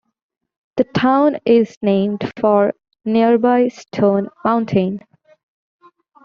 The town is named for nearby Stone Mountain.